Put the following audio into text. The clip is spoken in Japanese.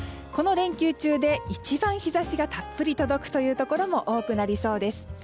この連休中で一番日差しがたっぷり届くというところも多くなりそうです。